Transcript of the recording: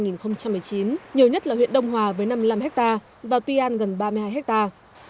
nhiều nhất là huyện đông hòa với năm mươi năm hectare và tuy an gần ba mươi hai hectare